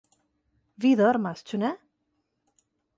vi dormas, ĉu ne?